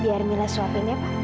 biar mila suapin ya pak